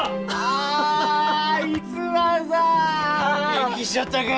元気しちょったか？